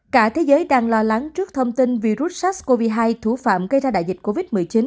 cả thế giới đang lo lắng trước thông tin virus sars cov hai thủ phạm gây ra đại dịch covid một mươi chín